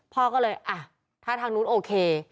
พ่อก็เลยอ่ะถ้าทางนู้นโอเค